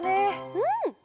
うん！